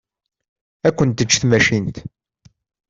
Ad kent-teǧǧ tmacint.